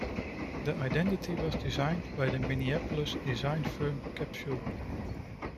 The identity was designed by the Minneapolis design firm Capsule.